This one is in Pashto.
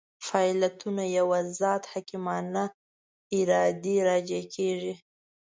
فاعلیتونه یوه ذات حکیمانه ارادې راجع کېږي.